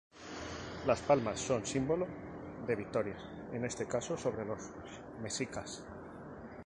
Las palmas son símbolo de victoria, en este caso sobre los mexicas.